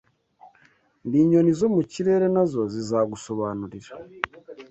n’inyoni zo mu kirere, na zo zizagusobanurira